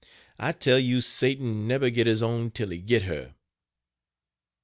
I tell you Satan neber git his own til he git her."